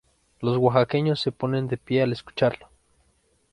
Los oaxaqueños se ponen de pie al escucharlo.